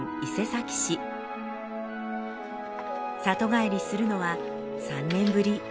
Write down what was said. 里帰りするのは３年ぶり。